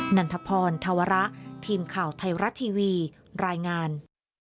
หลังนั้นลวดมือกันสร้างชุมชนให้ลงเย็น